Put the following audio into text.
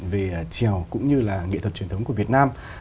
về trèo cũng như là nghệ thuật truyền thống của việt nam